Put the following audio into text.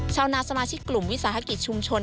ชาวนาสมาชิกกลุ่มวิสาหกิจชุมชน